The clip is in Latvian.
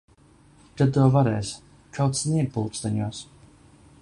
Kad to varēs. Kaut sniegpulksteņos.